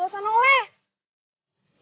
gak usah noleh